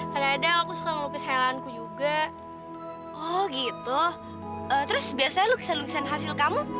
kadang kadang aku suka ngelukis healanku juga oh gitu terus biasanya lukisan lukisan hasil kamu